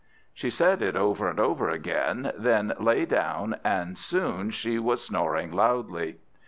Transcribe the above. She said it over and over again, then lay down; and soon she was snoring loudly.